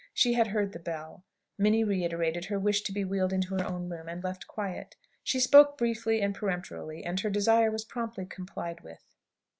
She had heard the bell. Minnie reiterated her wish to be wheeled into her own room, and left quiet. She spoke briefly and peremptorily, and her desire was promptly complied with.